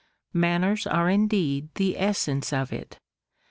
Manners are indeed the essence of it.